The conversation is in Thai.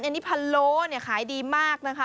อันนี้พะโล้ขายดีมากนะคะ